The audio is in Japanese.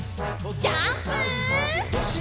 ジャンプ！